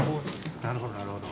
なるほどなるほど。